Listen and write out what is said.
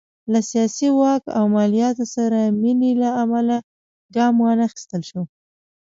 له سیاسي واک او مالیاتو سره مینې له امله ګام وانخیستل شو.